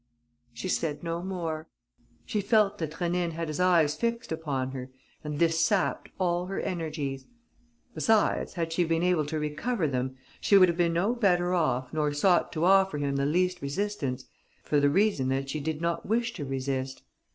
She said no more. She felt that Rénine had his eyes fixed upon her and this sapped all her energies. Besides, had she been able to recover them, she would have been no better off nor sought to offer him the least resistance, for the reason that she did not wish to resist.